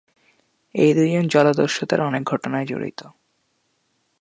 এই দুইজন জলদস্যুতার অনেক ঘটনায় জড়িত।